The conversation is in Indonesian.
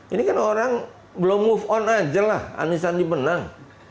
ini kan orang belum move on aja lah anies sandi menang